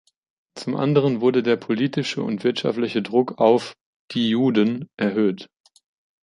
Zum anderen wurde der politische und wirtschaftliche Druck auf "„die Juden“" erhöht.